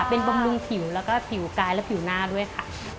เป็นบำรุงผิวแล้วก็ผิวกายและผิวหน้าด้วยค่ะ